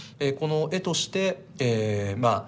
この絵としてえま